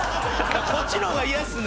こっちの方が嫌っすね。